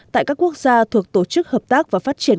tại các quốc gia thuộc tổ chức hợp tác và phát triển